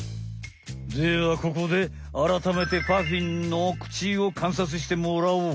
ではここであらためてパフィンの口をかんさつしてもらおう。